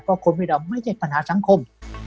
เพราะคนไม่ดำไม่ใช่ปัญหาสังคม